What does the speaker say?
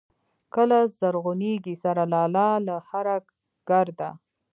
کله زرغونېږي سره لاله له هره ګرده